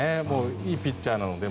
いいピッチャーなので。